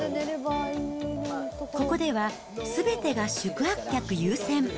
ここでは、すべてが宿泊客優先。